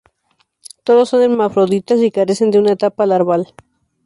Todos son hermafroditas y carecen de una etapa larval.